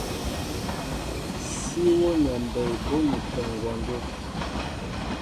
Sí wónɛ mbey bónikɛ ŋgwɔndə́.